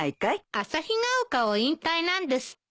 あさひが丘を引退なんですって。